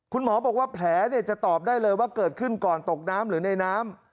คุณหมอบอกว่าแผลจะตอบได้เลยว่าเกิดขึ้นก่อนตกน้ำหรือในน้ำ